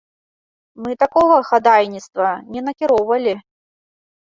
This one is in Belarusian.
Мы такога хадайніцтва не накіроўвалі.